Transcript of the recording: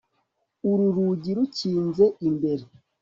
uru rugi rukinze imbere